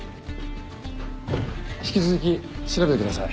引き続き調べてください。